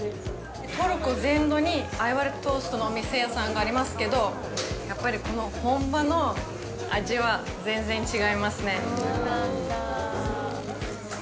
トルコ全土にアイヴァルックトーストのお店屋さんがありますけど、やっぱり本場の味は全然違いますね。